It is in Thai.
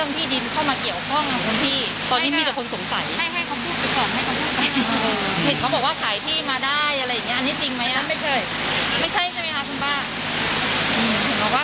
อันนี้จริงไหมไม่ใช่ไม่ใช่ใช่ไหมคะคุณป้า